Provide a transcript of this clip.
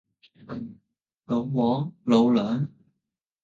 老黃，老梁